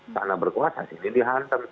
sana berkuasa sini dihantam